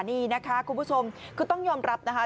นี่นะคะคุณผู้ชมคือต้องยอมรับนะคะ